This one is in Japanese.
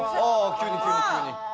急に急に急に。